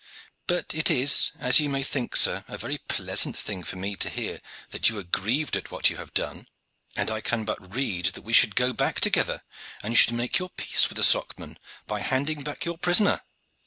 But it is, as you may think, sir, a very pleasant thing for me to hear that you are grieved at what you have done, and I can but rede that we should go back together, and you should make your peace with the Socman by handing back your prisoner.